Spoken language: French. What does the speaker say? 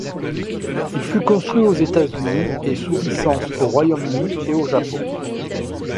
Il fut construit aux États-Unis et sous licence au Royaume-Uni et au Japon.